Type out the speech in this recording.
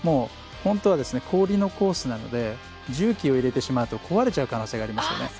本当は氷のコースなので重機を入れてしまうと壊れちゃう可能性がありますよね。